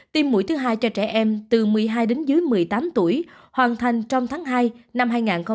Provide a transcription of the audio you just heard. tiêm mũi thứ hai cho trẻ em từ một mươi hai đến dưới một mươi tám tuổi hoàn thành trong tháng hai năm hai nghìn hai mươi